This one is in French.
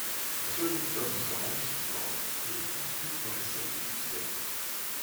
Un second tome sort l'année suivante, et conclue le récit avec succès.